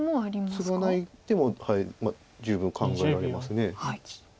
ツガない手も十分考えられます。